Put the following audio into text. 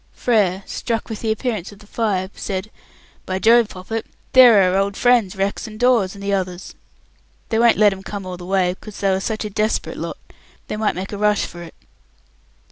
Frere, struck with the appearance of the five, said, "By Jove, Poppet, there are our old friends Rex and Dawes, and the others. They won't let 'em come all the way, because they are such a desperate lot, they might make a rush for it."